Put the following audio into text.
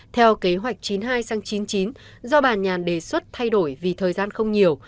theo kế hoạch chín mươi hai sang chín mươi chín do bà nhàn đề xuất thay đổi vì thời gian không nhiều